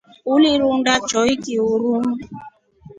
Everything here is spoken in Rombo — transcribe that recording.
Ulirunda choiki uruu.